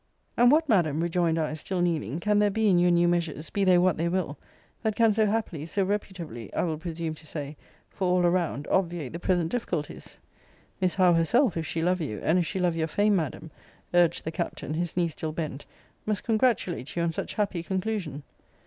And what, Madam, rejoined I, still kneeling, can there be in your new measures, be they what they will, that can so happily, so reputably, I will presume to say, for all around, obviate the present difficulties? Miss Howe herself, if she love you, and if she love your fame, Madam, urged the Captain, his knee still bent, must congratulate you on such happy conclusion.